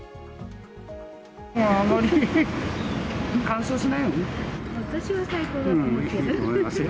あまり干渉しないようにね。